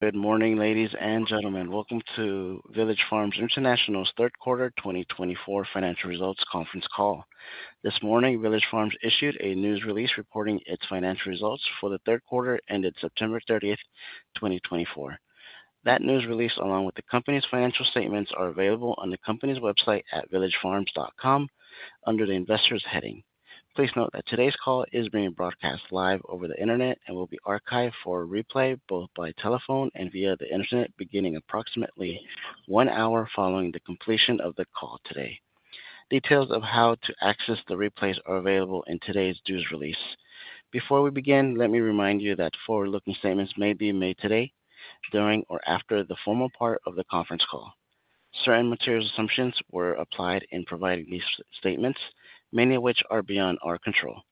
Good morning, ladies and gentlemen. Welcome to Village Farms International's third quarter 2024 financial results conference call. This morning, Village Farms issued a news release reporting its financial results for the third quarter ended September 30th, 2024. That news release, along with the company's financial statements, are available on the company's website at villagefarms.com under the investors heading. Please note that today's call is being broadcast live over the internet and will be archived for replay both by telephone and via the internet beginning approximately one hour following the completion of the call today. Details of how to access the replays are available in today's news release. Before we begin, let me remind you that forward-looking statements may be made today, during, or after the formal part of the conference call. Certain material assumptions were applied in providing these statements, many of which are beyond our control.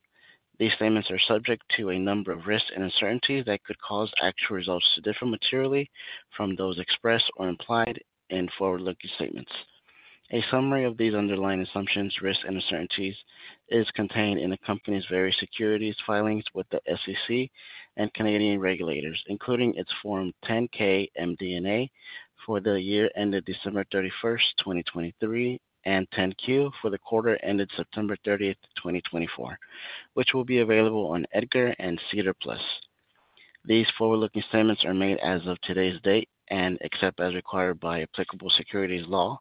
These statements are subject to a number of risks and uncertainties that could cause actual results to differ materially from those expressed or implied in forward-looking statements. A summary of these underlying assumptions, risks, and uncertainties is contained in the company's various securities filings with the SEC and Canadian regulators, including its Form 10-K MD&A for the year ended December 31st, 2023, and 10-Q for the quarter ended September 30th, 2024, which will be available on EDGAR and SEDAR+. These forward-looking statements are made as of today's date and, except as required by applicable securities law,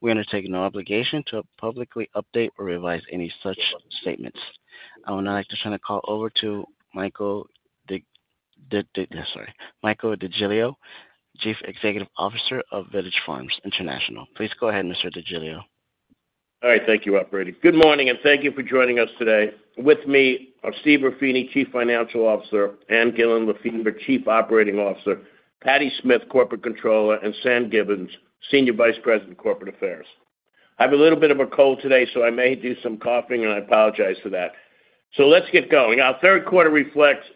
we undertake no obligation to publicly update or revise any such statements. I would now like to turn the call over to Michael DeGiglio, Chief Executive Officer of Village Farms International. Please go ahead, Mr. DeGiglio. All right. Thank you, Operator. Good morning, and thank you for joining us today. With me are Steve Ruffini, Chief Financial Officer, Ann Gillin Lefever, Chief Operating Officer, Patty Smith, Corporate Controller, and Sam Gibbons, Senior Vice President, Corporate Affairs. I have a little bit of a cold today, so I may do some coughing, and I apologize for that. So let's get going. Our third quarter reflects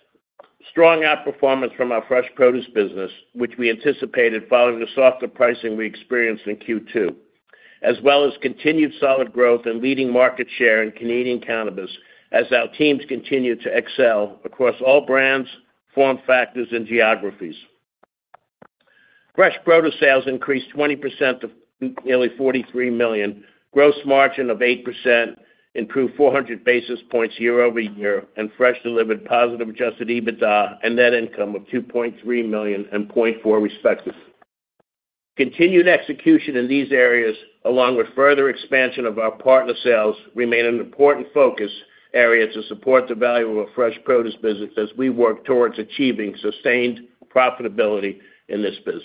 strong outperformance from our fresh produce business, which we anticipated following the softer pricing we experienced in Q2, as well as continued solid growth and leading market share in Canadian cannabis as our teams continue to excel across all brands, form factors, and geographies. Fresh produce sales increased 20% to nearly $43 million, gross margin of 8% improved 400 basis points year over year, and fresh delivered positive Adjusted EBITDA and net income of $2.3 million and $0.4 million, respectively. Continued execution in these areas, along with further expansion of our partner sales, remain an important focus area to support the value of our fresh produce business as we work towards achieving sustained profitability in this business.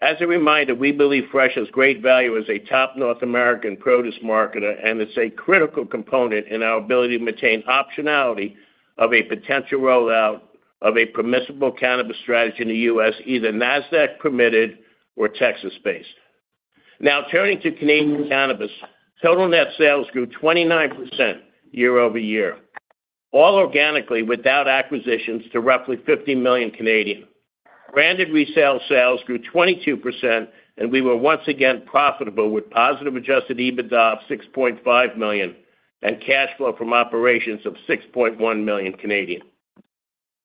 As a reminder, we believe fresh has great value as a top North American produce marketer, and it's a critical component in our ability to maintain optionality of a potential rollout of a permissible cannabis strategy in the U.S., either NASDAQ permitted or Texas-based. Now, turning to Canadian cannabis, total net sales grew 29% year-over-year, all organically without acquisitions to roughly 50 million. Branded retail sales grew 22%, and we were once again profitable with positive adjusted EBITDA of 6.5 million and cash flow from operations of 6.1 million.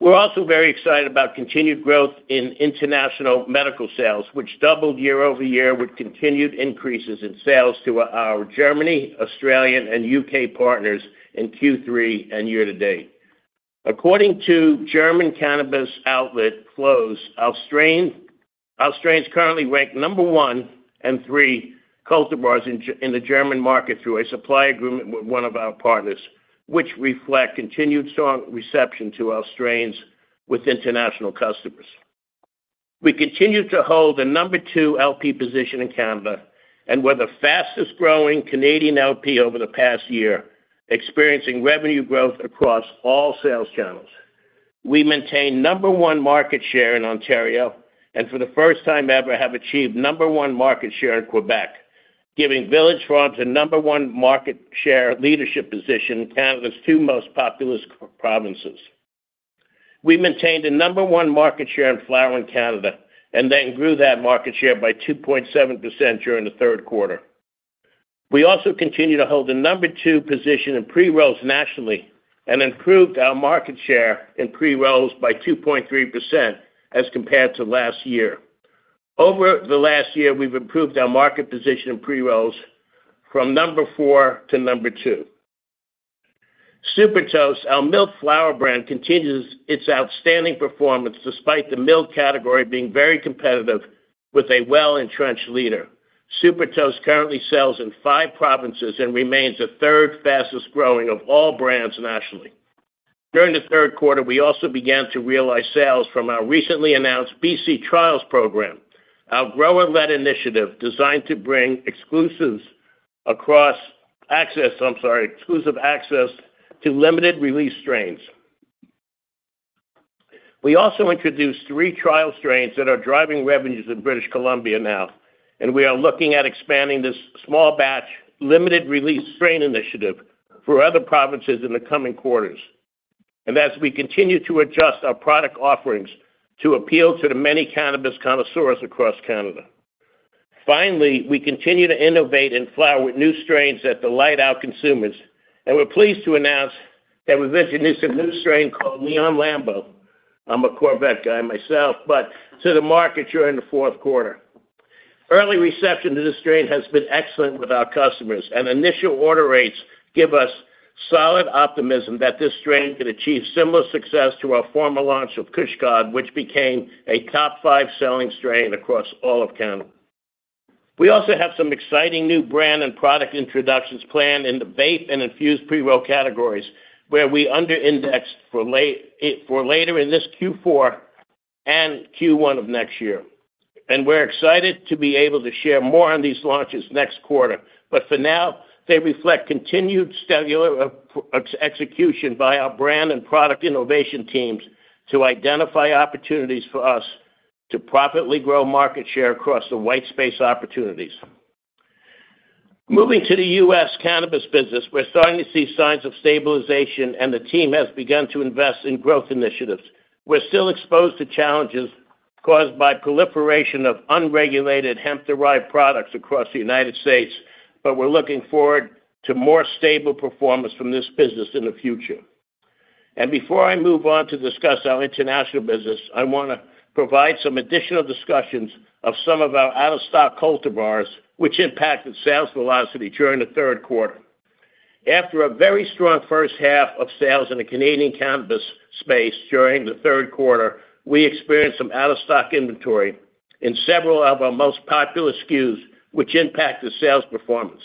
We're also very excited about continued growth in international medical sales, which doubled year over year with continued increases in sales to our German, Australian, and U.K. partners in Q3 and year to date. According to German cannabis outlet Flowzz, our strains currently rank number one and three cultivars in the German market through a supply agreement with one of our partners, which reflect continued strong reception to our strains with international customers. We continue to hold the number two LP position in Canada and were the fastest-growing Canadian LP over the past year, experiencing revenue growth across all sales channels. We maintain number one market share in Ontario and, for the first time ever, have achieved number one market share in Quebec, giving Village Farms a number one market share leadership position in Canada's two most populous provinces. We maintained a number one market share in flower in Canada and then grew that market share by 2.7% during the third quarter. We also continue to hold the number two position in pre-rolls nationally and improved our market share in pre-rolls by 2.3% as compared to last year. Over the last year, we've improved our market position in pre-rolls from number four to number two. Super Toast, our milled flower brand, continues its outstanding performance despite the milled category being very competitive with a well-entrenched leader. Super Toast currently sells in five provinces and remains the third fastest-growing of all brands nationally. During the third quarter, we also began to realize sales from our recently announced BC Trials program, our grower-led initiative designed to bring exclusive access to limited-release strains. We also introduced three trial strains that are driving revenues in British Columbia now, and we are looking at expanding this small batch limited-release strain initiative for other provinces in the coming quarters, as we continue to adjust our product offerings to appeal to the many cannabis connoisseurs across Canada. Finally, we continue to innovate in flower with new strains that delight our consumers, and we're pleased to announce that we've introduced a new strain called Neon Lambo. I'm a Corvette guy myself, but to the market during the fourth quarter. Early reception to this strain has been excellent with our customers, and initial order rates give us solid optimism that this strain could achieve similar success to our former launch of Kush God, which became a top five selling strain across all of Canada. We also have some exciting new brand and product introductions planned in the vape and infused pre-roll categories, where we under-indexed for later in this Q4 and Q1 of next year. And we're excited to be able to share more on these launches next quarter, but for now, they reflect continued stellar execution by our brand and product innovation teams to identify opportunities for us to profitably grow market share across the white space opportunities. Moving to the U.S. cannabis business, we're starting to see signs of stabilization, and the team has begun to invest in growth initiatives. We're still exposed to challenges caused by proliferation of unregulated hemp-derived products across the United States, but we're looking forward to more stable performance from this business in the future. Before I move on to discuss our international business, I want to provide some additional discussions of some of our out-of-stock cultivars, which impacted sales velocity during the third quarter. After a very strong first half of sales in the Canadian cannabis space during the third quarter, we experienced some out-of-stock inventory in several of our most popular SKUs, which impacted sales performance.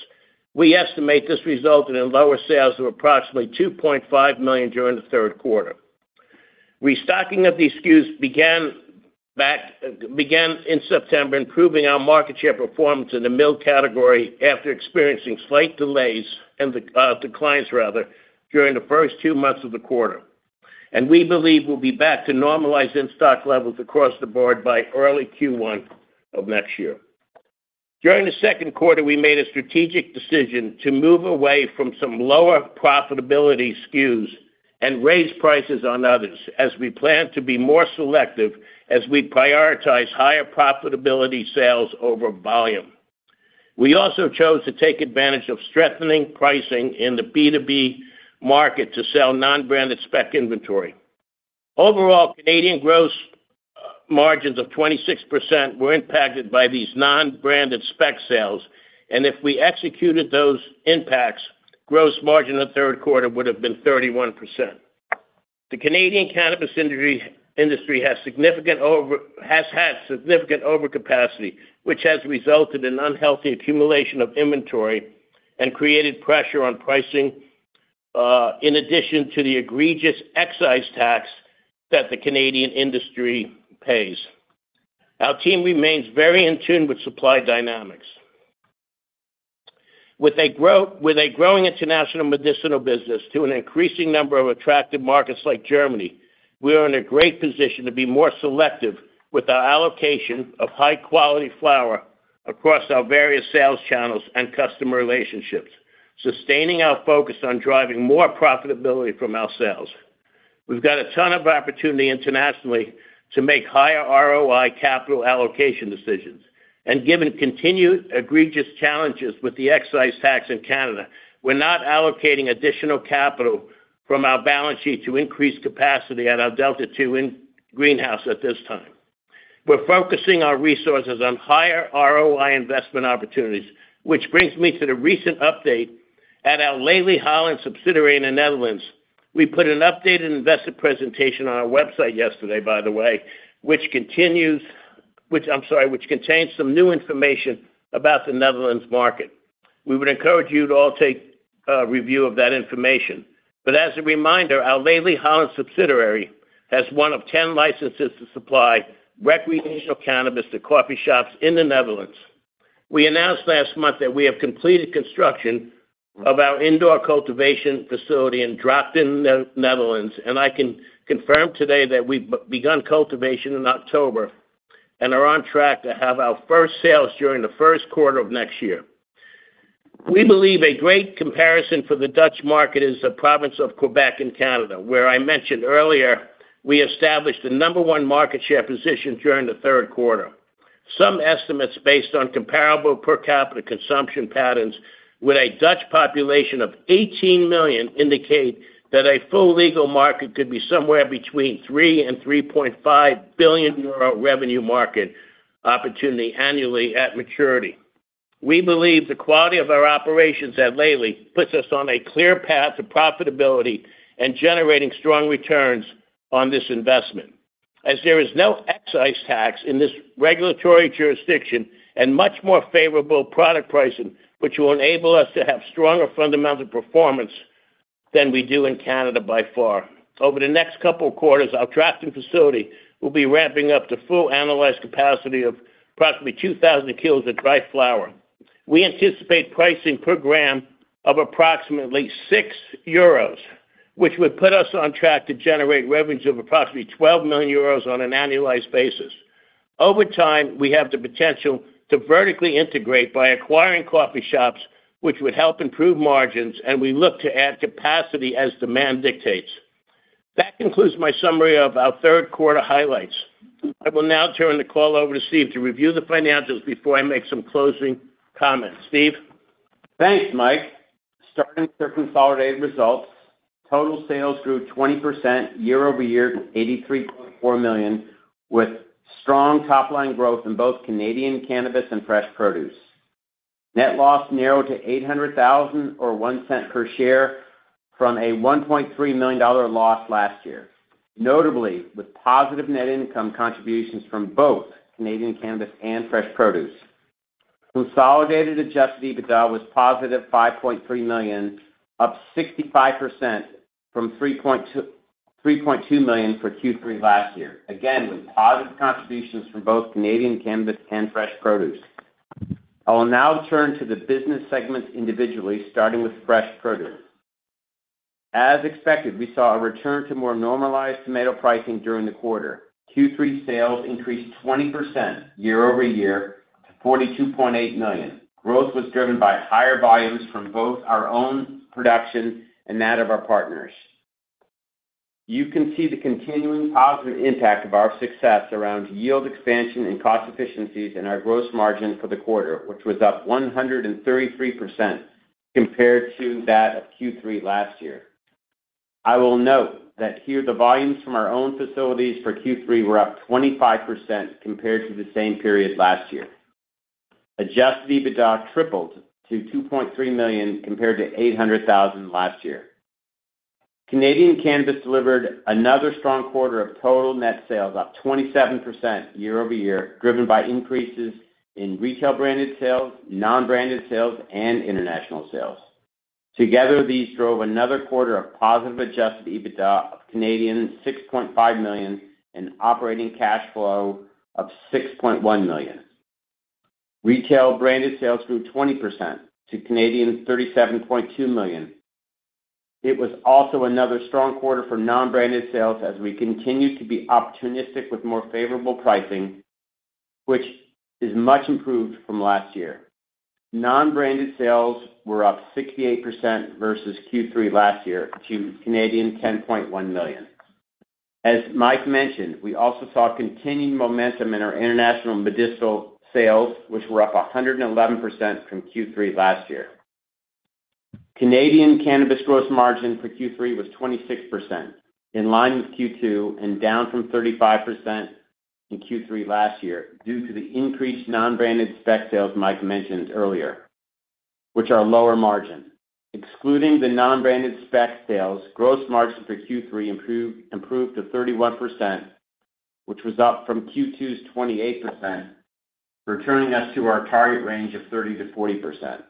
We estimate this resulted in lower sales of approximately 2.5 million during the third quarter. Restocking of these SKUs began in September, improving our market share performance in the milled category after experiencing slight delays and declines, rather, during the first two months of the quarter. We believe we'll be back to normalized in-stock levels across the board by early Q1 of next year. During the second quarter, we made a strategic decision to move away from some lower profitability SKUs and raise prices on others, as we plan to be more selective as we prioritize higher profitability sales over volume. We also chose to take advantage of strengthening pricing in the B2B market to sell non-branded spec inventory. Overall, Canadian gross margins of 26% were impacted by these non-branded spec sales, and if we executed those impacts, gross margin in the third quarter would have been 31%. The Canadian cannabis industry has had significant overcapacity, which has resulted in unhealthy accumulation of inventory and created pressure on pricing, in addition to the egregious excise tax that the Canadian industry pays. Our team remains very in tune with supply dynamics. With a growing international medicinal business to an increasing number of attractive markets like Germany, we are in a great position to be more selective with our allocation of high-quality flower across our various sales channels and customer relationships, sustaining our focus on driving more profitability from our sales. We've got a ton of opportunity internationally to make higher ROI capital allocation decisions. And given continued egregious challenges with the excise tax in Canada, we're not allocating additional capital from our balance sheet to increase capacity at our Delta 2 greenhouse at this time. We're focusing our resources on higher ROI investment opportunities, which brings me to the recent update at our Leli Holland subsidiary in the Netherlands. We put an updated investor presentation on our website yesterday, by the way, which contains some new information about the Netherlands market. We would encourage you to all take a review of that information. But as a reminder, our Leli Holland subsidiary has one of 10 licenses to supply recreational cannabis to coffee shops in the Netherlands. We announced last month that we have completed construction of our indoor cultivation facility in Drachten in the Netherlands, and I can confirm today that we've begun cultivation in October and are on track to have our first sales during the first quarter of next year. We believe a great comparison for the Dutch market is the province of Quebec in Canada, where I mentioned earlier we established the number one market share position during the third quarter. Some estimates based on comparable per capita consumption patterns with a Dutch population of 18 million indicate that a full legal market could be somewhere between 3 billion and 3.5 billion euro revenue market opportunity annually at maturity. We believe the quality of our operations at Leli puts us on a clear path to profitability and generating strong returns on this investment. As there is no excise tax in this regulatory jurisdiction and much more favorable product pricing, which will enable us to have stronger fundamental performance than we do in Canada by far. Over the next couple of quarters, our Drachten facility will be ramping up to full annualized capacity of approximately 2,000 kilos of dry flower. We anticipate pricing per gram of approximately 6 euros, which would put us on track to generate revenues of approximately 12 million euros on an annualized basis. Over time, we have the potential to vertically integrate by acquiring coffee shops, which would help improve margins, and we look to add capacity as demand dictates. That concludes my summary of our third quarter highlights. I will now turn the call over to Steve to review the financials before I make some closing comments. Steve? Thanks, Mike. Starting with consolidated results, total sales grew 20% year over year to $83.4 million, with strong top-line growth in both Canadian cannabis and fresh produce. Net loss narrowed to $800,000 or $0.01 per share from a $1.3 million loss last year, notably with positive net income contributions from both Canadian cannabis and fresh produce. Consolidated adjusted EBITDA was positive $5.3 million, up 65% from $3.2 million for Q3 last year, again with positive contributions from both Canadian cannabis and fresh produce. I'll now turn to the business segments individually, starting with fresh produce. As expected, we saw a return to more normalized tomato pricing during the quarter. Q3 sales increased 20% year over year to $42.8 million. Growth was driven by higher volumes from both our own production and that of our partners. You can see the continuing positive impact of our success around yield expansion and cost efficiencies in our gross margin for the quarter, which was up 133% compared to that of Q3 last year. I will note that here the volumes from our own facilities for Q3 were up 25% compared to the same period last year. Adjusted EBITDA tripled to $2.3 million compared to $800,000 last year. Canadian cannabis delivered another strong quarter of total net sales up 27% year over year, driven by increases in retail branded sales, non-branded sales, and international sales. Together, these drove another quarter of positive adjusted EBITDA of 6.5 million and operating cash flow of 6.1 million. Retail branded sales grew 20% to 37.2 million. It was also another strong quarter for non-branded sales as we continued to be opportunistic with more favorable pricing, which is much improved from last year. Non-branded sales were up 68% versus Q3 last year to 10.1 million. As Mike mentioned, we also saw continued momentum in our international medicinal sales, which were up 111% from Q3 last year. Canadian cannabis gross margin for Q3 was 26%, in line with Q2 and down from 35% in Q3 last year due to the increased non-branded spec sales Mike mentioned earlier, which are lower margin. Excluding the non-branded spec sales, gross margin for Q3 improved to 31%, which was up from Q2's 28%, returning us to our target range of 30% to 40%.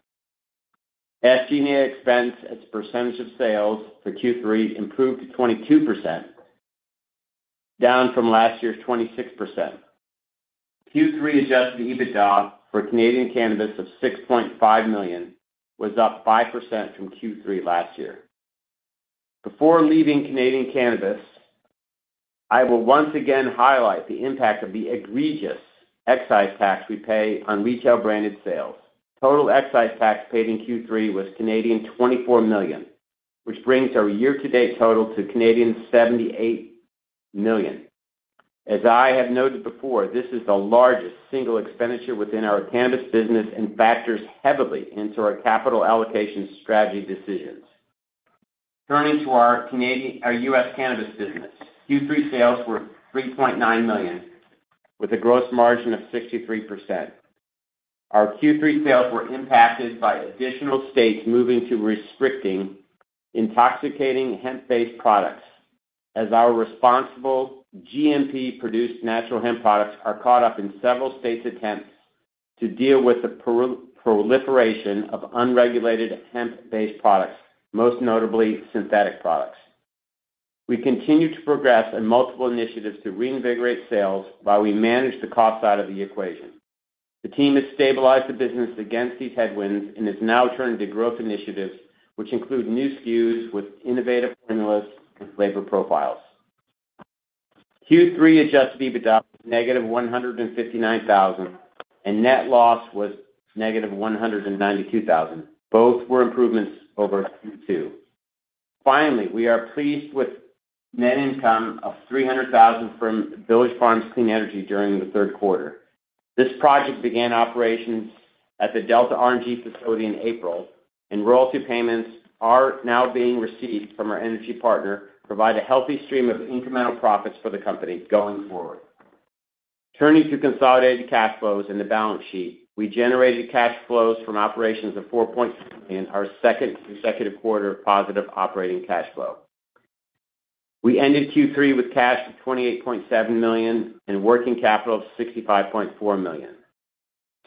SG&A expense as a percentage of sales for Q3 improved to 22%, down from last year's 26%. Q3 Adjusted EBITDA for Canadian cannabis of 6.5 million was up 5% from Q3 last year. Before leaving Canadian cannabis, I will once again highlight the impact of the egregious excise tax we pay on retail branded sales. Total excise tax paid in Q3 was 24 million Canadian dollars, which brings our year-to-date total to 78 million Canadian dollars. As I have noted before, this is the largest single expenditure within our cannabis business and factors heavily into our capital allocation strategy decisions. Turning to our U.S. cannabis business, Q3 sales were $3.9 million with a gross margin of 63%. Our Q3 sales were impacted by additional states moving to restricting intoxicating hemp-based products, as our responsible GMP produced natural hemp products are caught up in several states' attempts to deal with the proliferation of unregulated hemp-based products, most notably synthetic products. We continue to progress in multiple initiatives to reinvigorate sales, while we manage the cost side of the equation. The team has stabilized the business against these headwinds and is now turning to growth initiatives, which include new SKUs with innovative formulas and flavor profiles. Q3 Adjusted EBITDA was negative $159,000, and net loss was negative $192,000. Both were improvements over Q2. Finally, we are pleased with net income of $300,000 from Village Farms Clean Energy during the third quarter. This project began operations at the Delta RNG facility in April, and royalty payments are now being received from our energy partner, providing a healthy stream of incremental profits for the company going forward. Turning to consolidated cash flows in the balance sheet, we generated cash flows from operations of $4.2 million, our second consecutive quarter of positive operating cash flow. We ended Q3 with cash of $28.7 million and working capital of $65.4 million.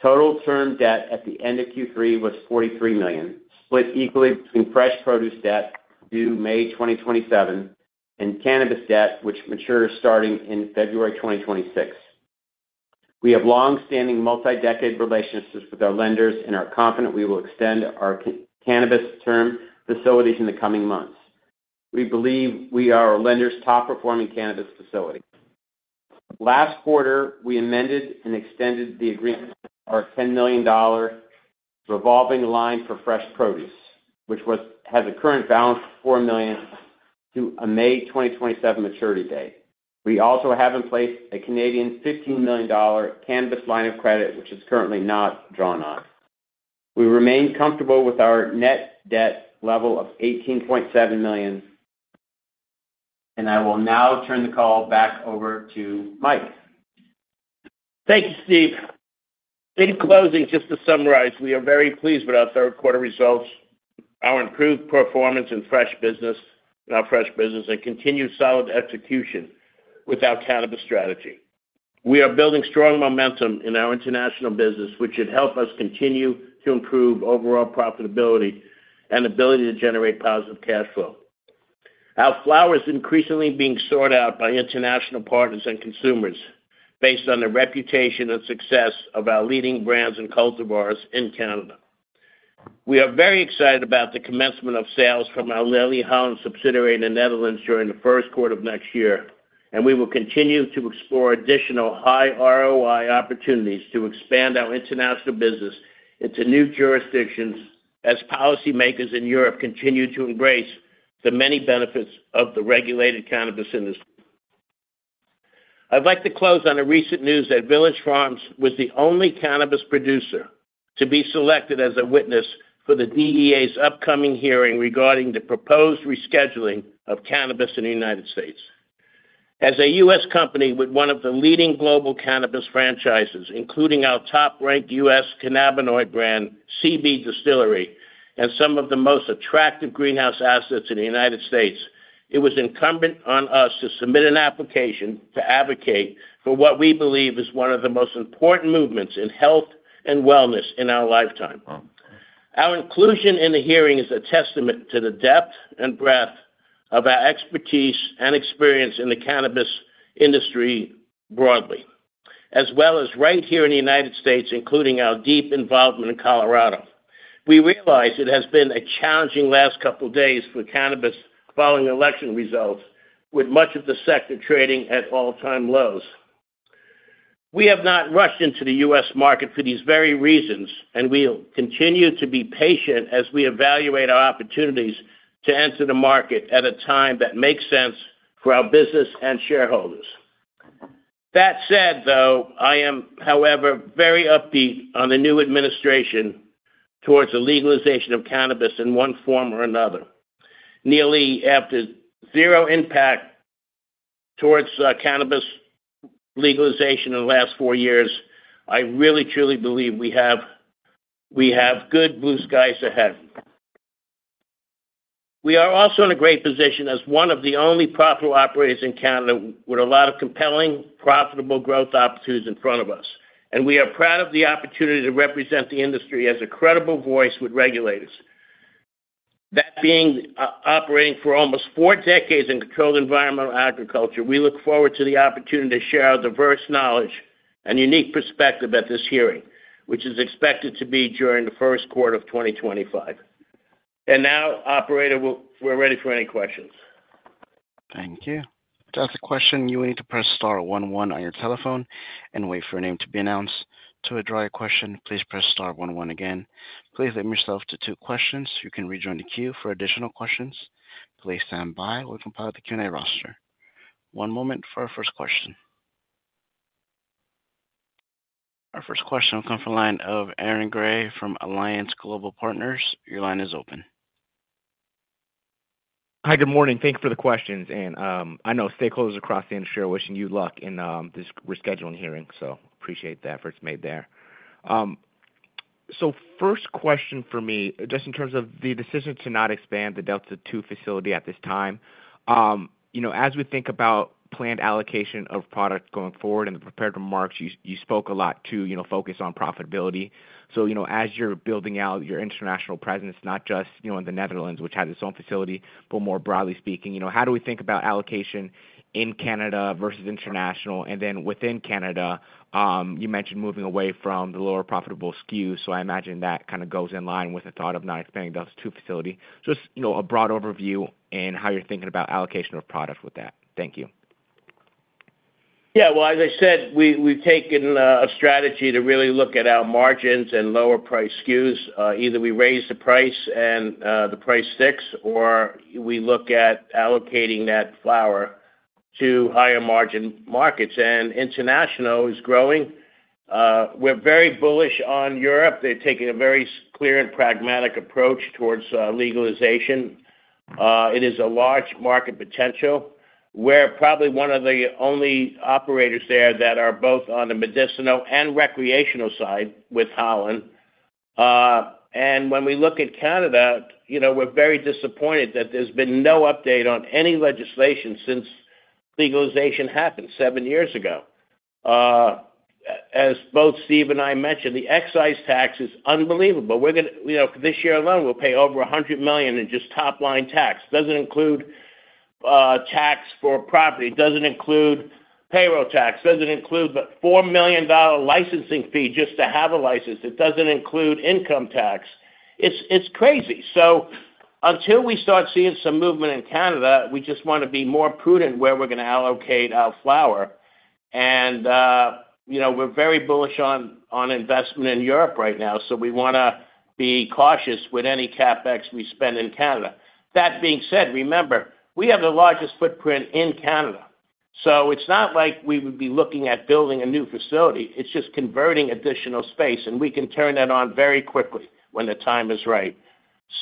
Total term debt at the end of Q3 was 43 million, split equally between fresh produce debt due May 2027 and cannabis debt, which matures starting in February 2026. We have long-standing multi-decade relationships with our lenders, and are confident we will extend our cannabis term facilities in the coming months. We believe we are our lender's top-performing cannabis facility. Last quarter, we amended and extended the agreement of our 10 million dollar revolving line for fresh produce, which has a current balance of four million to a May 2027 maturity date. We also have in place a 15 million Canadian dollars cannabis line of credit, which is currently not drawn on. We remain comfortable with our net debt level of 18.7 million, and I will now turn the call back over to Mike. Thank you, Steve. In closing, just to summarize, we are very pleased with our third quarter results, our improved performance in fresh business, our fresh business, and continued solid execution with our cannabis strategy. We are building strong momentum in our international business, which should help us continue to improve overall profitability and ability to generate positive cash flow. Our flower is increasingly being sought out by international partners and consumers based on the reputation and success of our leading brands and cultivars in Canada. We are very excited about the commencement of sales from our Leli Holland subsidiary in the Netherlands during the first quarter of next year, and we will continue to explore additional high ROI opportunities to expand our international business into new jurisdictions as policymakers in Europe continue to embrace the many benefits of the regulated cannabis industry. I'd like to close on a recent news that Village Farms was the only cannabis producer to be selected as a witness for the DEA's upcoming hearing regarding the proposed rescheduling of cannabis in the United States. As a U.S. company with one of the leading global cannabis franchises, including our top-ranked U.S. cannabinoid brand, CBDistillery, and some of the most attractive greenhouse assets in the United States, it was incumbent on us to submit an application to advocate for what we believe is one of the most important movements in health and wellness in our lifetime. Our inclusion in the hearing is a testament to the depth and breadth of our expertise and experience in the cannabis industry broadly, as well as right here in the United States, including our deep involvement in Colorado. We realize it has been a challenging last couple of days for cannabis following election results, with much of the sector trading at all-time lows. We have not rushed into the U.S. market for these very reasons, and we'll continue to be patient as we evaluate our opportunities to enter the market at a time that makes sense for our business and shareholders. That said, though, I am, however, very upbeat on the new administration towards the legalization of cannabis in one form or another. After nearly zero impact towards cannabis legalization in the last four years, I really, truly believe we have good blue skies ahead. We are also in a great position as one of the only profitable operators in Canada with a lot of compelling, profitable growth opportunities in front of us, and we are proud of the opportunity to represent the industry as a credible voice with regulators. That being operating for almost four decades in Controlled Environment Agriculture, we look forward to the opportunity to share our diverse knowledge and unique perspective at this hearing, which is expected to be during the first quarter of 2025. And now, Operator, we're ready for any questions. Thank you. To ask a question, you will need to press star, one, one on your telephone and wait for your name to be announced. To withdraw your question, please press star, one, one again. Please limit yourself to two questions. You can rejoin the queue for additional questions. Please stand by while we compile the Q&A roster. One moment for our first question. Our first question will come from the line of Aaron Grey from Alliance Global Partners. Your line is open. Hi, good morning. Thank you for the questions, and I know stakeholders across the industry are wishing you luck in this rescheduling hearing, so I appreciate the efforts made there, so first question for me, just in terms of the decision to not expand the Delta 2 facility at this time, as we think about planned allocation of product going forward and the prepared remarks, you spoke a lot to focus on profitability, so as you're building out your international presence, not just in the Netherlands, which has its own facility, but more broadly speaking, how do we think about allocation in Canada versus international? And then within Canada, you mentioned moving away from the lower profitable SKUs, so I imagine that kind of goes in line with the thought of not expanding the Delta 2 facility. Just a broad overview and how you're thinking about allocation of product with that? Thank you. Yeah. Well, as I said, we've taken a strategy to really look at our margins and lower price SKUs. Either we raise the price and the price sticks, or we look at allocating that flower to higher margin markets. And international is growing. We're very bullish on Europe. They're taking a very clear and pragmatic approach towards legalization. It is a large market potential. We're probably one of the only operators there that are both on the medicinal and recreational side with Holland. And when we look at Canada, we're very disappointed that there's been no update on any legislation since legalization happened seven years ago. As both Steve and I mentioned, the excise tax is unbelievable. This year alone, we'll pay over 100 million in just top-line tax. It doesn't include tax for property. It doesn't include payroll tax. It doesn't include the $4 million licensing fee just to have a license. It doesn't include income tax. It's crazy. So until we start seeing some movement in Canada, we just want to be more prudent where we're going to allocate our flower. And we're very bullish on investment in Europe right now, so we want to be cautious with any CapEx we spend in Canada. That being said, remember, we have the largest footprint in Canada. So it's not like we would be looking at building a new facility. It's just converting additional space, and we can turn that on very quickly when the time is right.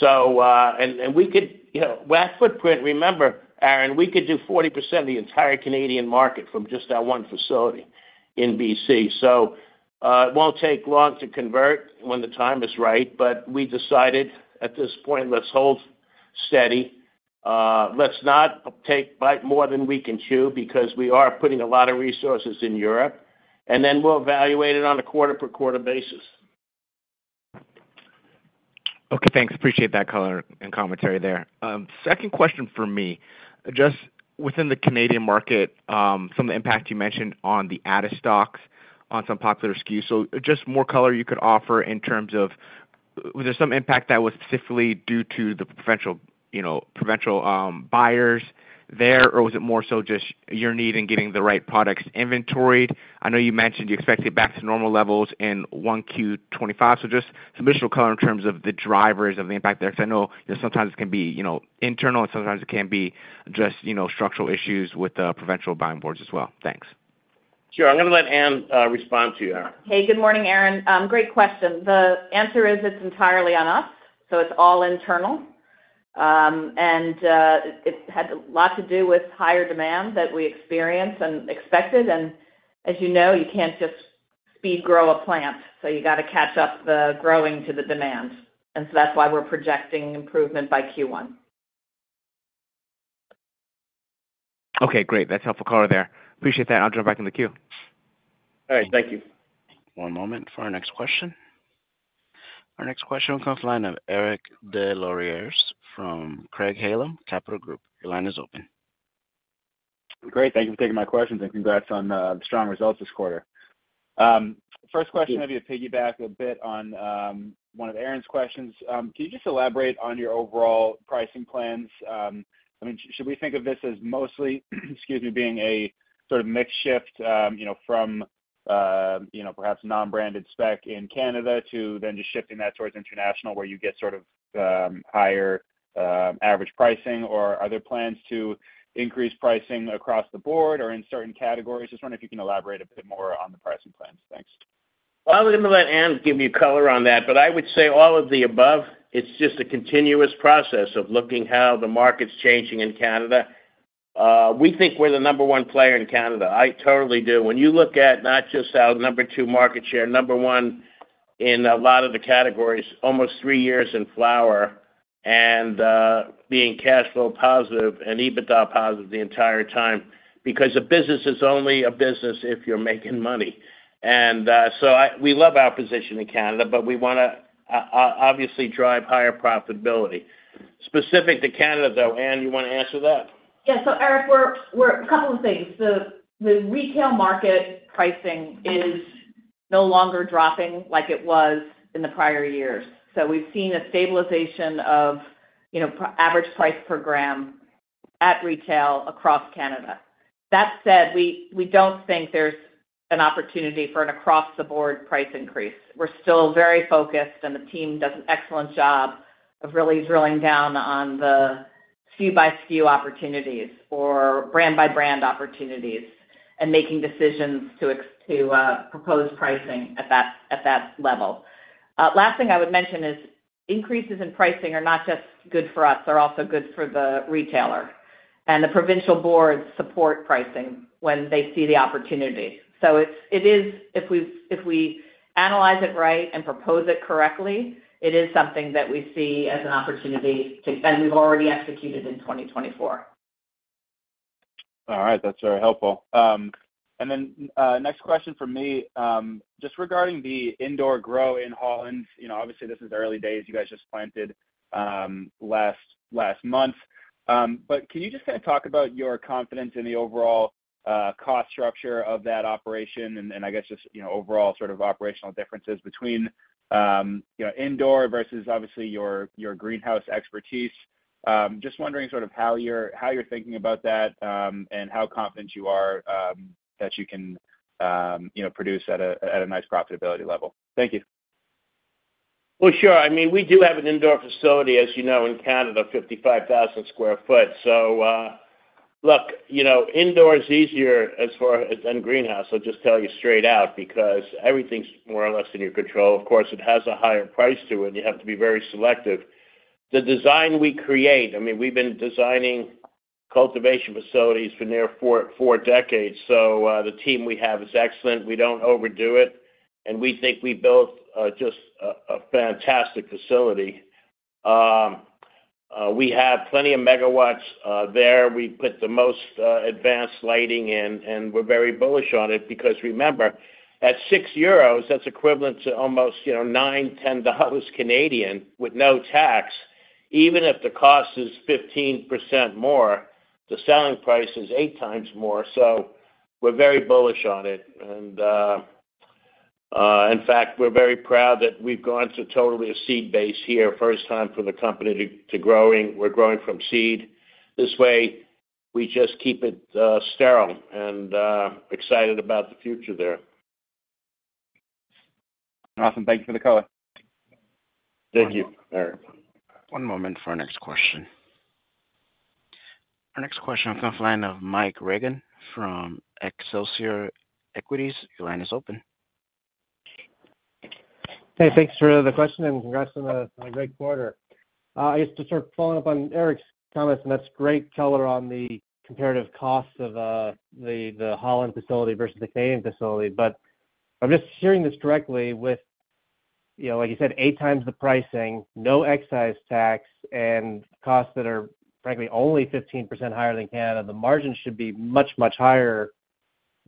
And we could, with that footprint, remember, Aaron, we could do 40% of the entire Canadian market from just our one facility in BC. So it won't take long to convert when the time is right, but we decided at this point, let's hold steady. Let's not take more than we can chew because we are putting a lot of resources in Europe, and then we'll evaluate it on a quarter-per-quarter basis. Okay. Thanks. Appreciate that color and commentary there. Second question for me, just within the Canadian market, some of the impact you mentioned on the out-of-stocks on some popular SKUs. So just more color you could offer in terms of, was there some impact that was specifically due to the provincial buyers there, or was it more so just your need in getting the right products inventoried? I know you mentioned you expect it back to normal levels in 1Q25. So just some additional color in terms of the drivers of the impact there, because I know sometimes it can be internal, and sometimes it can be just structural issues with the provincial buying boards as well. Thanks. Sure. I'm going to let Ann respond to you, Aaron. Hey, good morning, Aaron. Great question. The answer is it's entirely on us, so it's all internal. And it had a lot to do with higher demand that we experienced and expected. And as you know, you can't just speed grow a plant, so you got to catch up the growing to the demand. And so that's why we're projecting improvement by Q1. Okay. Great. That's helpful color there. Appreciate that. I'll jump back in the queue. All right. Thank you. One moment for our next question. Our next question will come from the line of Eric Des Lauriers from Craig-Hallum Capital Group. Your line is open. Great. Thank you for taking my questions, and congrats on the strong results this quarter. First question, maybe to piggyback a bit on one of Aaron's questions, can you just elaborate on your overall pricing plans? I mean, should we think of this as mostly, excuse me, being a sort of mixed shift from perhaps non-branded spec in Canada to then just shifting that towards international where you get sort of higher average pricing, or are there plans to increase pricing across the board or in certain categories? Just wondering if you can elaborate a bit more on the pricing plans. Thanks. I was going to let Ann give you color on that, but I would say all of the above. It's just a continuous process of looking at how the market's changing in Canada. We think we're the number one player in Canada. I totally do. When you look at not just our number two market share, number one in a lot of the categories, almost three years in flower and being cash flow positive and EBITDA positive the entire time, because a business is only a business if you're making money, and so we love our position in Canada, but we want to obviously drive higher profitability. Specific to Canada, though, Ann, you want to answer that? Yeah. So Eric, a couple of things. The retail market pricing is no longer dropping like it was in the prior years. So we've seen a stabilization of average price per gram at retail across Canada. That said, we don't think there's an opportunity for an across-the-board price increase. We're still very focused, and the team does an excellent job of really drilling down on the SKU-by-SKU opportunities or brand-by-brand opportunities and making decisions to propose pricing at that level. Last thing I would mention is increases in pricing are not just good for us. They're also good for the retailer. And the provincial boards support pricing when they see the opportunity. So if we analyze it right and propose it correctly, it is something that we see as an opportunity that we've already executed in 2024. All right. That's very helpful. And then next question for me, just regarding the indoor grow in Holland. Obviously, this is the early days. You guys just planted last month. But can you just kind of talk about your confidence in the overall cost structure of that operation and I guess just overall sort of operational differences between indoor versus obviously your greenhouse expertise? Just wondering sort of how you're thinking about that and how confident you are that you can produce at a nice profitability level. Thank you. Sure. I mean, we do have an indoor facility, as you know, in Canada, 55,000 sq ft. So look, indoor is easier than greenhouse, I'll just tell you straight out, because everything's more or less in your control. Of course, it has a higher price to it, and you have to be very selective. The design we create, I mean, we've been designing cultivation facilities for near four decades. So the team we have is excellent. We don't overdo it. And we think we built just a fantastic facility. We have plenty of megawatts there. We put the most advanced lighting in, and we're very bullish on it because, remember, at 6 euros, that's equivalent to almost 9 to 10 dollars with no tax. Even if the cost is 15% more, the selling price is 8 times more. So we're very bullish on it. And in fact, we're very proud that we've gone to a totally seed-based here, first time for the company to growing. We're growing from seed. This way, we just keep it sterile, and excited about the future there. Awesome. Thank you for the color. Thank you, Eric. One moment for our next question. Our next question will come from the line of Mike Regan from Excelsior Equities. Your line is open. Hey, thanks for the question, and congrats on a great quarter. I guess to sort of follow up on Eric's comments, and that's great color on the comparative costs of the Holland facility versus the Canadian facility. But I'm just hearing this directly with, like you said, 8 times the pricing, no excise tax, and costs that are, frankly, only 15% higher than Canada. The margin should be much, much higher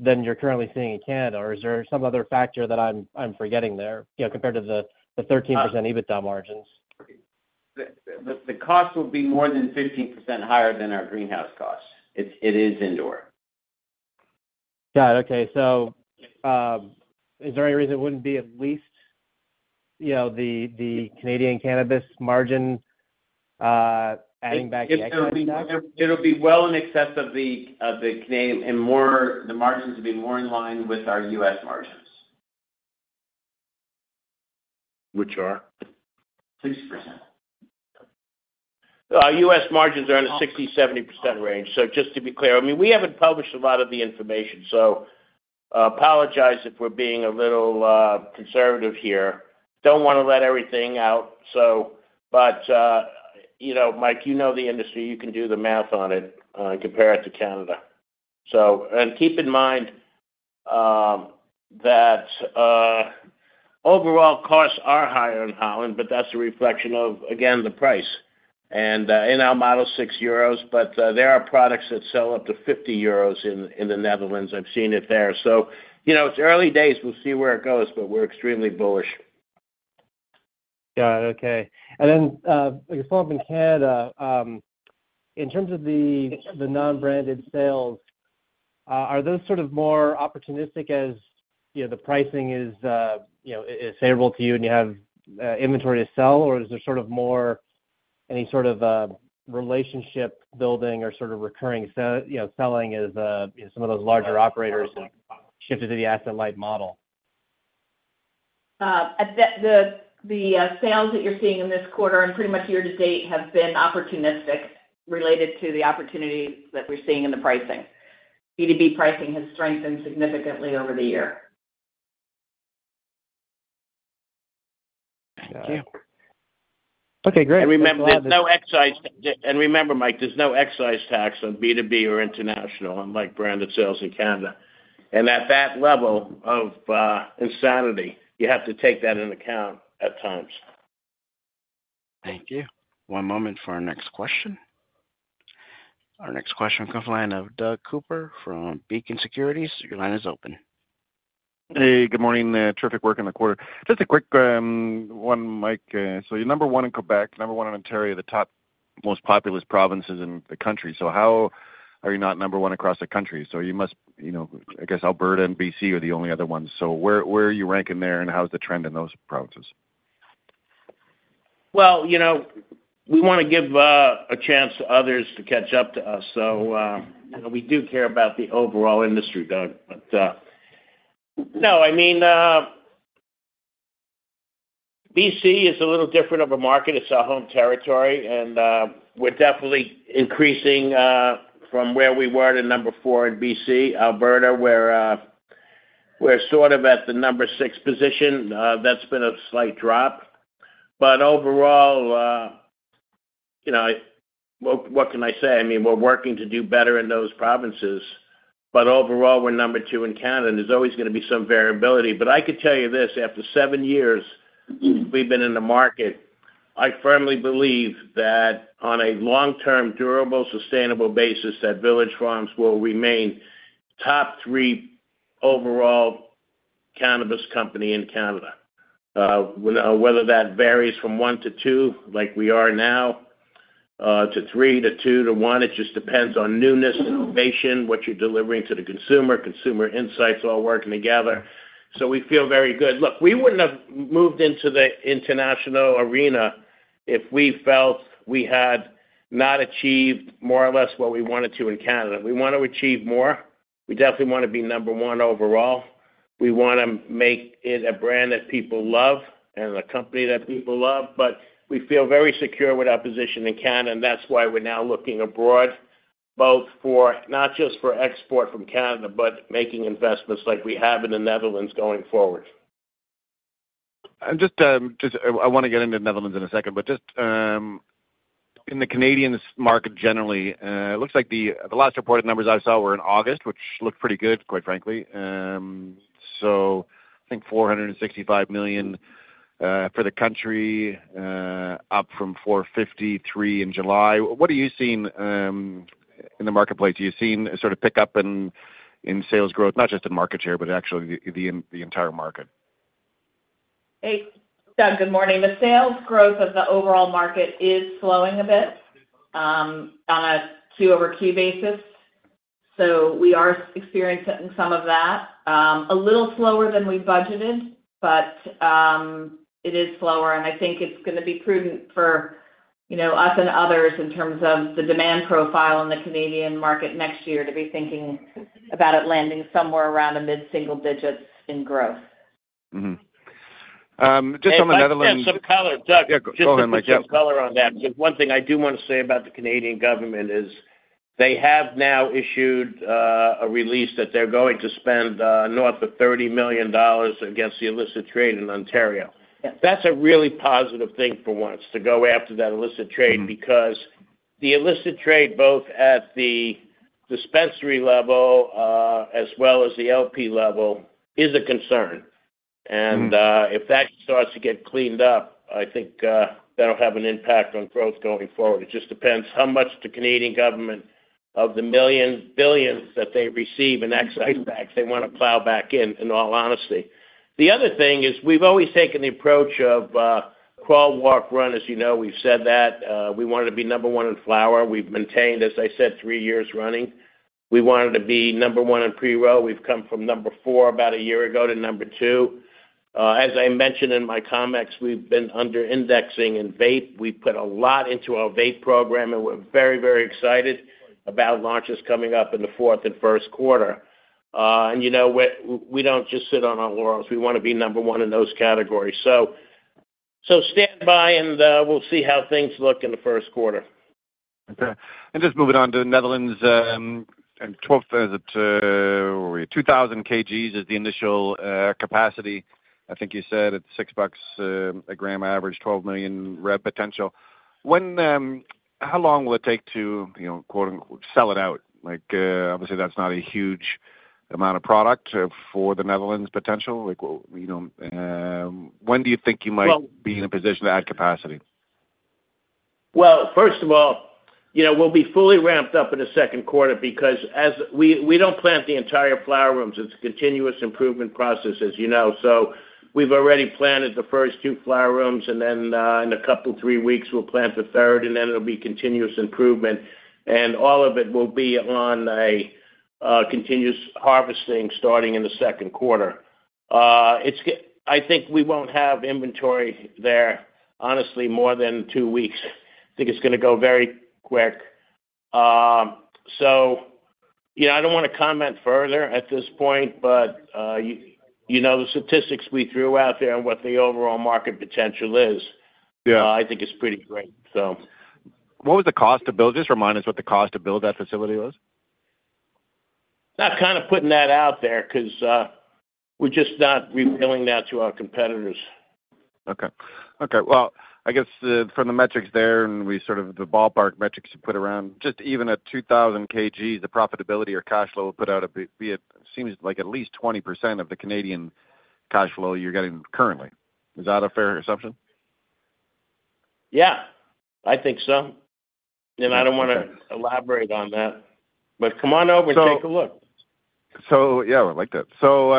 than you're currently seeing in Canada. Or is there some other factor that I'm forgetting there compared to the 13% EBITDA margins? The cost will be more than 15% higher than our greenhouse costs. It is indoor. Got it. Okay, so is there any reason it wouldn't be at least the Canadian cannabis margin adding back the excise tax? It'll be well in excess of the Canadian and the margins will be more in line with our U.S. margins. Which are? 6%. US margins are in a 60% to 70% range. So just to be clear, I mean, we haven't published a lot of the information, so apologize if we're being a little conservative here. Don't want to let everything out. But Mike, you know the industry. You can do the math on it and compare it to Canada. And keep in mind that overall costs are higher in Holland, but that's a reflection of, again, the price. And in our model, 6 euros, but there are products that sell up to 50 euros in the Netherlands. I've seen it there. So it's early days. We'll see where it goes, but we're extremely bullish. Got it. Okay. And then I guess following up in Canada, in terms of the non-branded sales, are those sort of more opportunistic as the pricing is favorable to you and you have inventory to sell, or is there sort of more any sort of relationship building or sort of recurring selling as some of those larger operators have shifted to the asset-light model? The sales that you're seeing in this quarter and pretty much year to date have been opportunistic related to the opportunity that we're seeing in the pricing. B2B pricing has strengthened significantly over the year. Thank you. Okay. Great. And remember, there's no excise tax. And remember, Mike, there's no excise tax on B2B or international and branded sales in Canada. And at that level of insanity, you have to take that into account at times. Thank you. One moment for our next question. Our next question will come from the line of Doug Cooper from Beacon Securities. Your line is open. Hey, good morning. Terrific work on the quarter. Just a quick one, Mike. So you're number one in Quebec, number one in Ontario, the two most populous provinces in the country. So how are you not number one across the country? So you must, I guess, Alberta and BC are the only other ones. So where are you ranking there, and how's the trend in those provinces? We want to give a chance to others to catch up to us. So we do care about the overall industry, Doug. But no, I mean, BC is a little different of a market. It's our home territory, and we're definitely increasing from where we were to number four in BC. Alberta, we're sort of at the number six position. That's been a slight drop. But overall, what can I say? I mean, we're working to do better in those provinces. But overall, we're number two in Canada, and there's always going to be some variability. But I could tell you this. After seven years we've been in the market, I firmly believe that on a long-term, durable, sustainable basis, that Village Farms will remain top three overall cannabis company in Canada. Whether that varies from one to two, like we are now, to three to two to one, it just depends on newness, innovation, what you're delivering to the consumer, consumer insights all working together. So we feel very good. Look, we wouldn't have moved into the international arena if we felt we had not achieved more or less what we wanted to in Canada. We want to achieve more. We definitely want to be number one overall. We want to make it a brand that people love and a company that people love. But we feel very secure with our position in Canada, and that's why we're now looking abroad, both for not just export from Canada, but making investments like we have in the Netherlands going forward. I want to get into the Netherlands in a second, but just in the Canadian market generally, it looks like the last reported numbers I saw were in August, which looked pretty good, quite frankly. So I think 465 million for the country, up from 453 million in July. What are you seeing in the marketplace? Are you seeing a sort of pickup in sales growth, not just in market share, but actually the entire market? Hey, Doug, good morning. The sales growth of the overall market is slowing a bit on a year-over-year basis. So we are experiencing some of that. A little slower than we budgeted, but it is slower, and I think it's going to be prudent for us and others in terms of the demand profile in the Canadian market next year to be thinking about it landing somewhere around the mid-single digits in growth. Just on the Netherlands. Some color, Doug. Yeah. Go ahead, Mike. Yeah. Just some color on that. Because one thing I do want to say about the Canadian government is they have now issued a release that they're going to spend north of $30 million against the illicit trade in Ontario. That's a really positive thing for once to go after that illicit trade because the illicit trade, both at the dispensary level as well as the LP level, is a concern. And if that starts to get cleaned up, I think that'll have an impact on growth going forward. It just depends how much the Canadian government of the billions that they receive in excise tax, they want to plow back in, in all honesty. The other thing is we've always taken the approach of crawl, walk, run. As you know, we've said that. We wanted to be number one in flower. We've maintained, as I said, three years running. We wanted to be number one in pre-roll. We've come from number four about a year ago to number two. As I mentioned in my comments, we've been under indexing in vape. We've put a lot into our vape program, and we're very, very excited about launches coming up in the fourth and first quarter. And we don't just sit on our laurels. We want to be number one in those categories. Stand by, and we'll see how things look in the first quarter. Okay. And just moving on to the Netherlands, 12,000 kgs is the initial capacity. I think you said it's $6 a gram average, 12 million rev potential. How long will it take to "sell it out"? Obviously, that's not a huge amount of product for the Netherlands' potential. When do you think you might be in a position to add capacity? First of all, we'll be fully ramped up in the second quarter because we don't plant the entire flower rooms. It's a continuous improvement process, as you know. We've already planted the first two flower rooms, and then in a couple of three weeks, we'll plant the third, and then it'll be continuous improvement. All of it will be on a continuous harvesting starting in the second quarter. I think we won't have inventory there, honestly, more than two weeks. I think it's going to go very quick. I don't want to comment further at this point, but the statistics we threw out there and what the overall market potential is, I think it's pretty great, so. What was the cost to build? Just remind us what the cost to build that facility was? Not kind of putting that out there because we're just not revealing that to our competitors. Well, I guess from the metrics there and sort of the ballpark metrics you put around, just even at 2,000 kg, the profitability or cash flow will be. It seems like at least 20% of the Canadian cash flow you're getting currently. Is that a fair assumption? Yeah. I think so. And I don't want to elaborate on that. But come on over and take a look. So yeah, I like that. So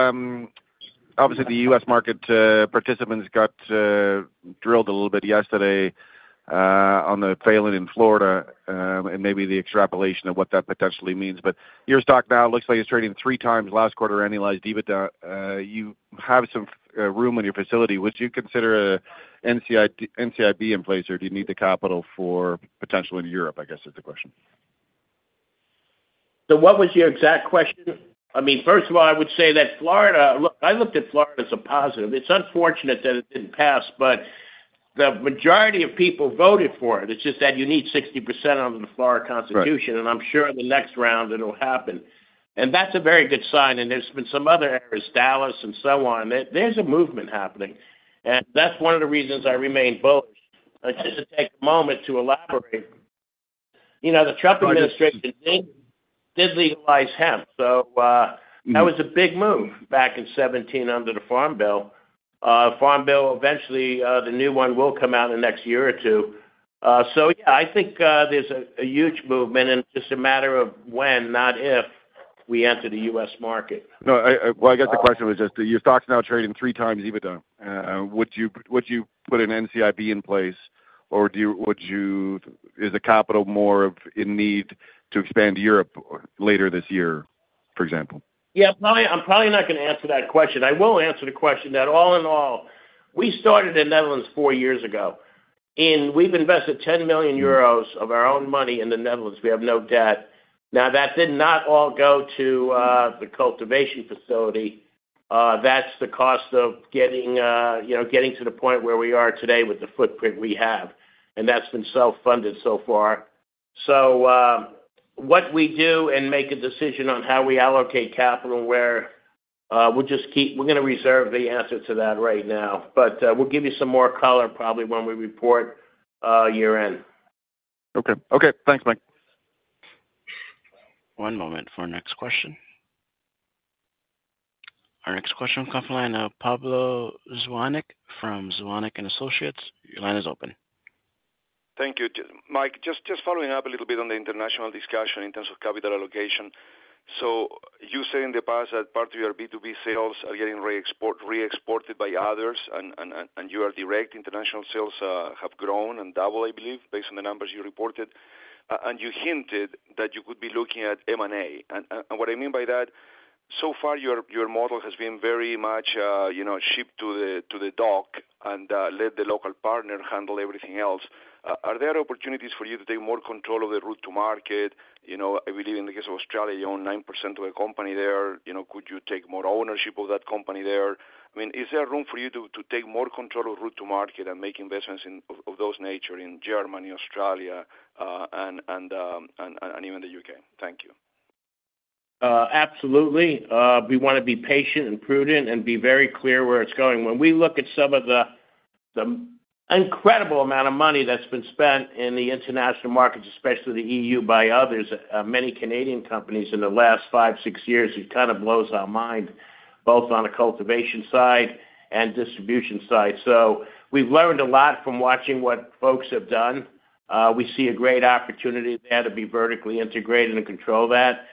obviously, the U.S. market participants got drilled a little bit yesterday on the failing in Florida and maybe the extrapolation of what that potentially means. But your stock now looks like it's trading three times last quarter annualized EBITDA. You have some room in your facility. Would you consider NCIB in place, or do you need the capital for potential in Europe, I guess, is the question? So what was your exact question? I mean, first of all, I would say that Florida, look, I looked at Florida as a positive. It's unfortunate that it didn't pass, but the majority of people voted for it. It's just that you need 60% under the Florida Constitution, and I'm sure in the next round it'll happen. And that's a very good sign. And there's been some other areas, Dallas and so on. There's a movement happening. And that's one of the reasons I remain bullish. I just had to take a moment to elaborate. The Trump administration did legalize hemp. So that was a big move back in 2017 under the Farm Bill. Farm Bill, eventually, the new one will come out in the next year or two. So yeah, I think there's a huge movement, and it's just a matter of when, not if, we enter the U.S. market. No, well, I guess the question was just your stock's now trading three times EBITDA. Would you put an NCIB in place, or is the capital more in need to expand to Europe later this year, for example? Yeah. I'm probably not going to answer that question. I will answer the question that, all in all, we started in Netherlands four years ago, and we've invested 10 million euros of our own money in the Netherlands. We have no debt. Now, that did not all go to the cultivation facility. That's the cost of getting to the point where we are today with the footprint we have. And that's been self-funded so far. So, what we do and make a decision on how we allocate capital and where we're just going to reserve the answer to that right now. But we'll give you some more color probably when we report year-end. Okay. Okay. Thanks, Mike. One moment for our next question. Our next question will come from the line of Pablo Zuanic from Zuanic & Associates. Your line is open. Thank you. Mike, just following up a little bit on the international discussion in terms of capital allocation, so you said in the past that part of your B2B sales are getting re-exported by others, and your direct international sales have grown and doubled, I believe, based on the numbers you reported, and you hinted that you could be looking at M&A, and what I mean by that, so far, your model has been very much shipped to the dock and let the local partner handle everything else. Are there opportunities for you to take more control of the route to market? I believe in the case of Australia, you own 9% of a company there. Could you take more ownership of that company there? I mean, is there room for you to take more control of route to market and make investments of those nature in Germany, Australia, and even the UK? Thank you. Absolutely. We want to be patient and prudent and be very clear where it's going. When we look at some of the incredible amount of money that's been spent in the international markets, especially the EU, by others, many Canadian companies in the last five, six years, it kind of blows our mind, both on the cultivation side and distribution side, so we've learned a lot from watching what folks have done. We see a great opportunity there to be vertically integrated and control that.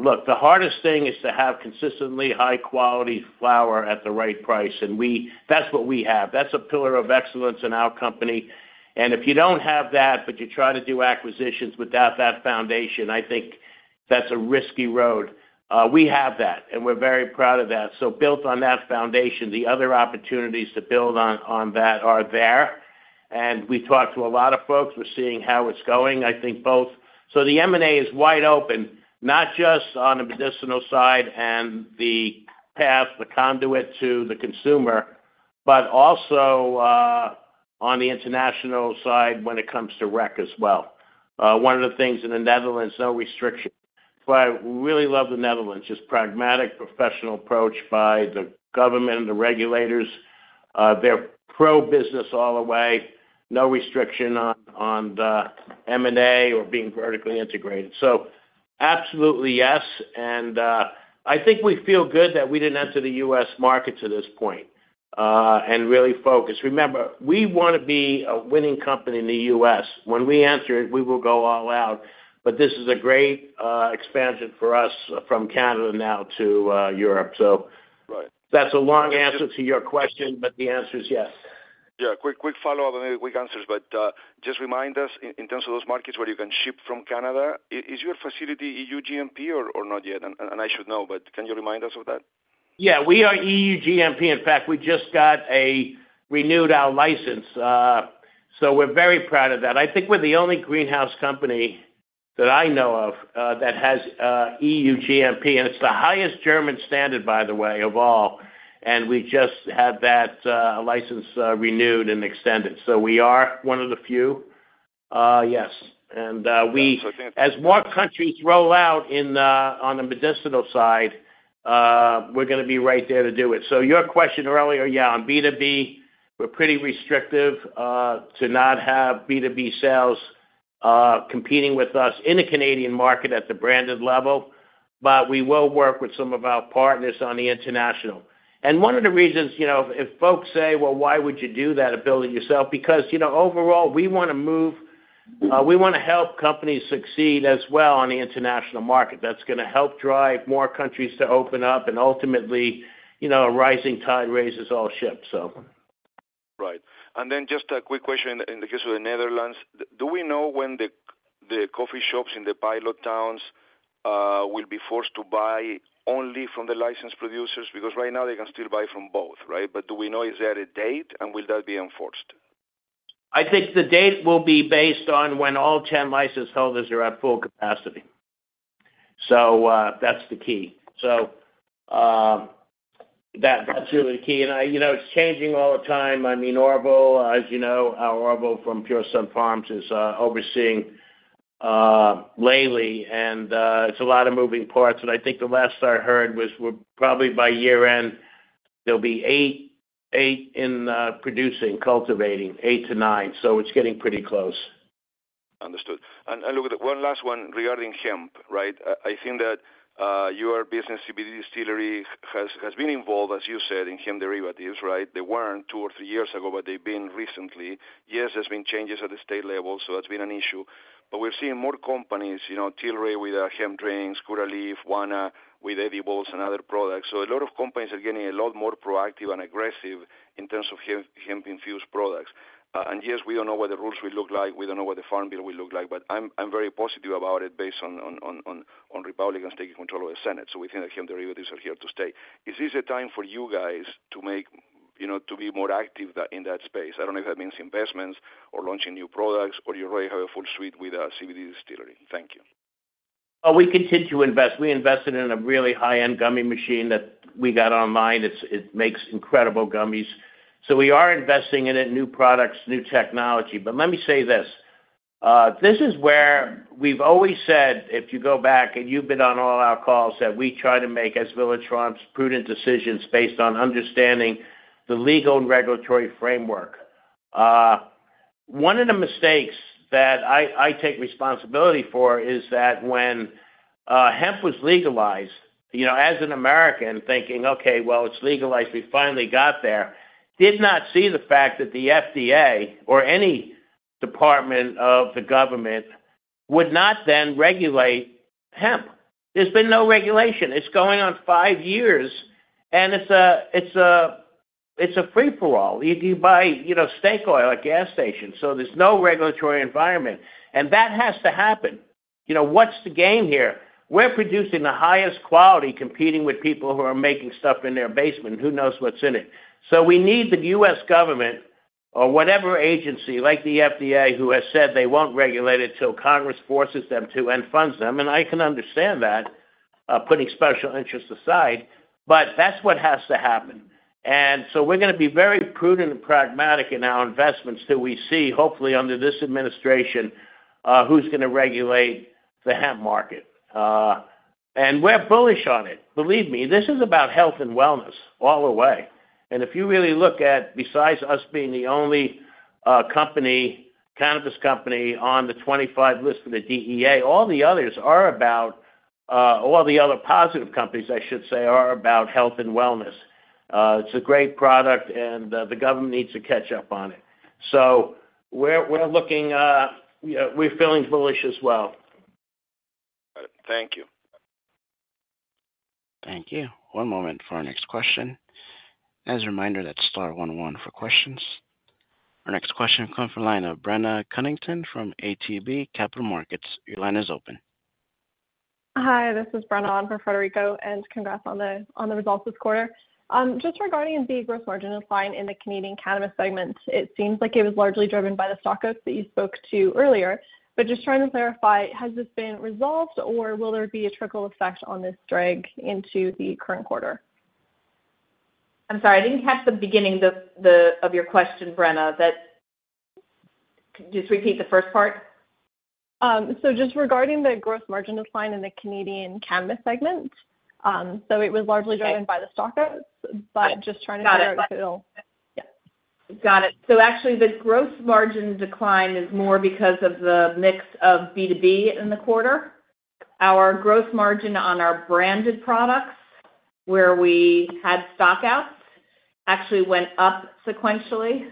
Look, the hardest thing is to have consistently high-quality flower at the right price, and that's what we have. That's a pillar of excellence in our company, and if you don't have that, but you try to do acquisitions without that foundation, I think that's a risky road. We have that, and we're very proud of that. So built on that foundation, the other opportunities to build on that are there. And we talked to a lot of folks. We're seeing how it's going, I think, both. So the M&A is wide open, not just on the medicinal side and the path, the conduit to the consumer, but also on the international side when it comes to rec as well. One of the things in the Netherlands, no restriction. So I really love the Netherlands, just pragmatic, professional approach by the government and the regulators. They're pro-business all the way. No restriction on the M&A or being vertically integrated. So absolutely yes. And I think we feel good that we didn't enter the U.S. market to this point and really focus. Remember, we want to be a winning company in the U.S. When we enter it, we will go all out. But this is a great expansion for us from Canada now to Europe. So that's a long answer to your question, but the answer is yes. Yeah. Quick follow-up and then quick answers. But just remind us, in terms of those markets where you can ship from Canada, is your facility EU GMP or not yet? And I should know, but can you remind us of that? Yeah. We are EU GMP. In fact, we just got a renewed license. So we're very proud of that. I think we're the only greenhouse company that I know of that has EU GMP. And it's the highest German standard, by the way, of all. And we just had that license renewed and extended. So we are one of the few. Yes. And as more countries roll out on the medicinal side, we're going to be right there to do it. So your question earlier, yeah, on B2B, we're pretty restrictive to not have B2B sales competing with us in the Canadian market at the branded level. But we will work with some of our partners on the international. One of the reasons if folks say, "Well, why would you do that and build it yourself?" Because overall, we want to help companies succeed as well on the international market. That's going to help drive more countries to open up. Ultimately, a rising tide raises all ships, so. Right. And then just a quick question in the case of the Netherlands. Do we know when the coffee shops in the pilot towns will be forced to buy only from the licensed producers? Because right now, they can still buy from both, right? But do we know? Is there a date, and will that be enforced? I think the date will be based on when all 10 license holders are at full capacity. So that's the key. So that's really the key. And it's changing all the time. I mean, as you know, our Orville from Pure Sunfarms is overseeing Leli. And it's a lot of moving parts. And I think the last I heard was probably by year-end, there'll be eight in producing, cultivating, eight to nine. So it's getting pretty close. Understood. And look, one last one regarding hemp, right? I think that your business, CBDistillery, has been involved, as you said, in hemp derivatives, right? They weren't two or three years ago, but they've been recently. Yes, there's been changes at the state level, so that's been an issue. But we're seeing more companies, Tilray with hemp drinks, Curaleaf, Wana with edibles and other products. So a lot of companies are getting a lot more proactive and aggressive in terms of hemp-infused products. And yes, we don't know what the rules will look like. We don't know what the Farm Bill will look like. But I'm very positive about it based on Republicans taking control of the Senate. So we think that hemp derivatives are here to stay. Is this a time for you guys to be more active in that space? I don't know if that means investments or launching new products, or you already have a full suite with CBDistillery. Thank you. We continue to invest. We invested in a really high-end gummy machine that we got online. It makes incredible gummies. So we are investing in it, new products, new technology. But let me say this. This is where we've always said, if you go back, and you've been on all our calls, that we try to make, as Village Farms, prudent decisions based on understanding the legal and regulatory framework. One of the mistakes that I take responsibility for is that when hemp was legalized, as an American, thinking, "Okay, well, it's legalized. We finally got there," did not see the fact that the FDA or any department of the government would not then regulate hemp. There's been no regulation. It's going on five years, and it's a free-for-all. You buy CBD oil at gas stations. So there's no regulatory environment. And that has to happen. What's the game here? We're producing the highest quality, competing with people who are making stuff in their basement. Who knows what's in it? So we need the U.S. government or whatever agency, like the FDA, who has said they won't regulate it till Congress forces them to and funds them. And I can understand that, putting special interests aside. But that's what has to happen. And so we're going to be very prudent and pragmatic in our investments till we see, hopefully, under this administration, who's going to regulate the hemp market. And we're bullish on it. Believe me, this is about health and wellness all the way. And if you really look at, besides us being the only cannabis company on the 25 list of the DEA, all the others are about all the other positive companies, I should say, are about health and wellness. It's a great product, and the government needs to catch up on it. We're feeling bullish as well. Got it. Thank you. Thank you. One moment for our next question. As a reminder, that's star 11 for questions. Our next question will come from the line of Brenna Cunnington from ATB Capital Markets. Your line is open. Hi, this is Brenna on for Frederico, and congrats on the results this quarter. Just regarding the gross margin decline in the Canadian cannabis segment, it seems like it was largely driven by the stockouts that you spoke to earlier. But just trying to clarify, has this been resolved, or will there be a trickle effect on this drag into the current quarter? I'm sorry. I didn't catch the beginning of your question, Brenna. Just repeat the first part. So just regarding the gross margin decline in the Canadian cannabis segment, so it was largely driven by the stockouts, but just trying to clarify. Got it. Yeah. Got it. So actually, the gross margin decline is more because of the mix of B2B in the quarter. Our gross margin on our branded products, where we had stockouts, actually went up sequentially.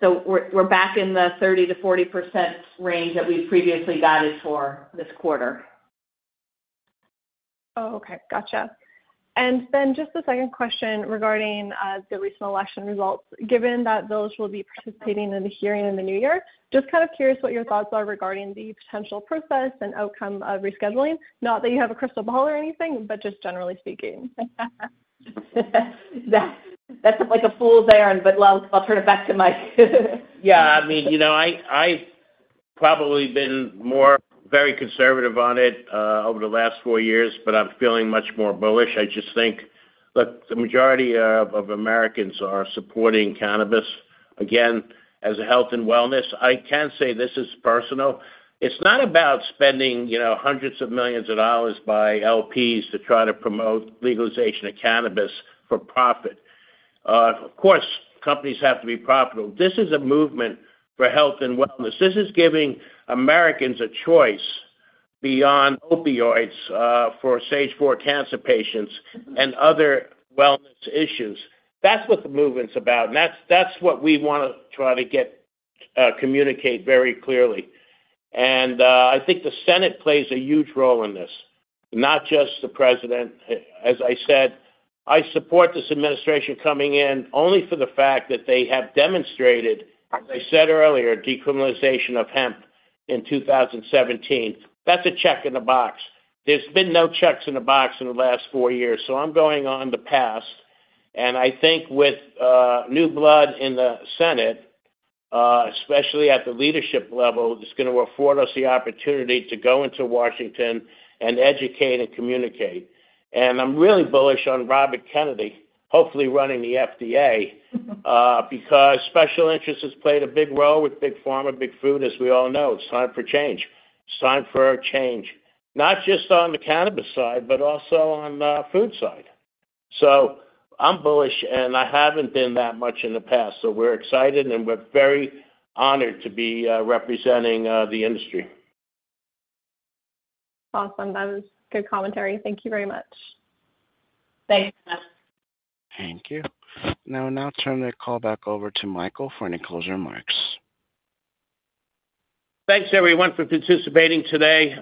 So we're back in the 30% to 40% range that we previously guided for this quarter. Oh, okay. Gotcha. And then just the second question regarding the recent election results. Given that Village will be participating in the hearing in the new year, just kind of curious what your thoughts are regarding the potential process and outcome of rescheduling. Not that you have a crystal ball or anything, but just generally speaking. Yeah. That's like a fool's errand, but I'll turn it back to Mike. Yeah. I mean, I've probably been very conservative on it over the last four years, but I'm feeling much more bullish. I just think, look, the majority of Americans are supporting cannabis. Again, as a health and wellness, I can say this is personal. It's not about spending hundreds of millions of dollars by LPs to try to promote legalization of cannabis for profit. Of course, companies have to be profitable. This is a movement for health and wellness. This is giving Americans a choice beyond opioids for stage four cancer patients and other wellness issues. That's what the movement's about. And that's what we want to try to communicate very clearly. And I think the Senate plays a huge role in this, not just the president. As I said, I support this administration coming in only for the fact that they have demonstrated, as I said earlier, decriminalization of hemp in 2017. That's a check in the box. There's been no checks in the box in the last four years. So I'm going on the past. And I think with new blood in the Senate, especially at the leadership level, it's going to afford us the opportunity to go into Washington and educate and communicate. And I'm really bullish on Robert Kennedy, hopefully running the FDA, because special interests has played a big role with Big Pharma and Big Food, as we all know. It's time for change. It's time for change, not just on the cannabis side, but also on the food side. So I'm bullish, and I haven't been that much in the past. We're excited, and we're very honored to be representing the industry. Awesome. That was good commentary. Thank you very much. Thanks, Brenna. Thank you. Now I'll turn the call back over to Michael for any closing remarks. Thanks, everyone, for participating today.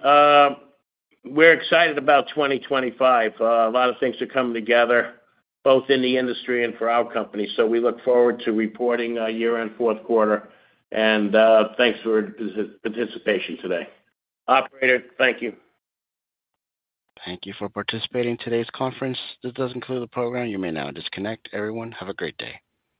We're excited about 2025. A lot of things are coming together, both in the industry and for our company. So we look forward to reporting year-end fourth quarter. And thanks for participation today. Operator, thank you. Thank you for participating in today's conference. This does conclude the program. You may now disconnect. Everyone, have a great day.